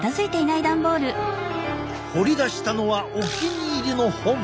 掘り出したのはお気に入りの本。